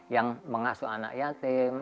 yang mengasuh anak yatim